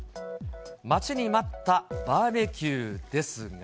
待ちに待ったバーベキューですが。